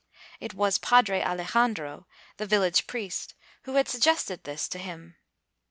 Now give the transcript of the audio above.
It was Padre Alejandro, the village priest, who had suggested this to him first.